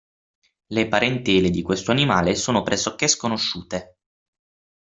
Le parentele di questo animale sono pressoché sconosciute.